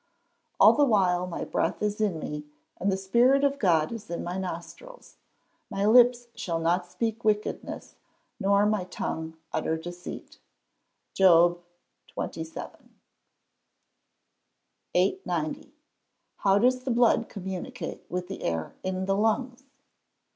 [Verse: "All the while my breath is in me, and the spirit of God is in my nostrils. My lips shall not speak wickedness, nor my tongue utter deceit." JOB XXVII.] 890. _How does the blood communicate with the air in the lungs?